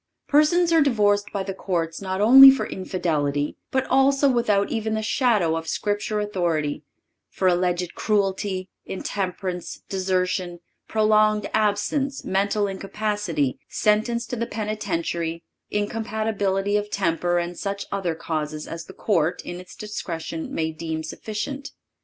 Persons are divorced by the courts not only for infidelity, but also without even the shadow of Scripture authority—for alleged cruelty, intemperance, desertion, prolonged absence, mental incapacity, sentence to the penitentiary, incompatibility of temper and such other causes as the court, in its discretion, may deem sufficient.